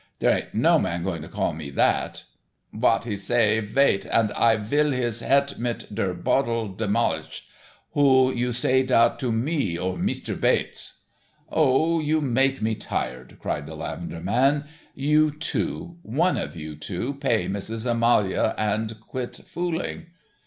"There aint no man going to call me that." "Vat he say, vait, und I vill his het mit der boddle demolisch. Who you say dat to, mee, or Meest'r Bates?" "Oh, you make me tired," cried the lavender man, "you two. One of you two, pay Missus Amaloa and quit fooling."